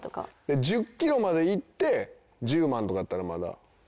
１０キロまでいって１０万とかだったらまだ。